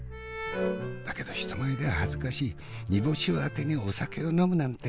だけど人前では恥ずかしい煮干しをあてにお酒を呑むなんて。